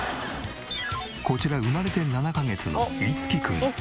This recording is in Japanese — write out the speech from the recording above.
こちら生まれて７カ月のいつきくん。